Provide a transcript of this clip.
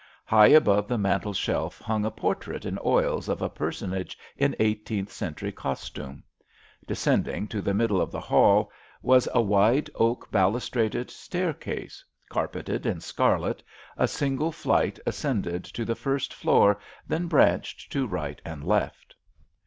High above the mantelshelf hung a portrait in oils of a personage in eighteenth century costume. Descending to the middle of the hall was a wide oak balustraded staircase, carpeted in scarlet, a single flight ascended to the first floor, then branched to right and left.